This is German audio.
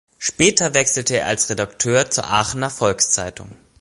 Später wechselte er als Redakteur zur Aachener Volkszeitung.